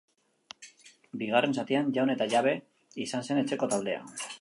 Bigarren zatian jaun eta jabe izan zen etxeko taldea.